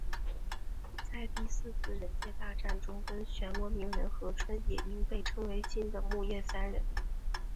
在第四次忍界大战中跟漩涡鸣人和春野樱被称为新的木叶三忍。